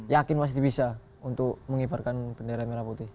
yakin masih bisa untuk mengibarkan bendera merah putih